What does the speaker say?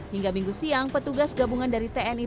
hingga minggu siang petugas gabungan dari tni